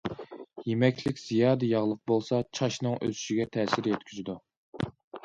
يېمەكلىك زىيادە ياغلىق بولسا، چاچنىڭ ئۆسۈشىگە تەسىر يەتكۈزىدۇ.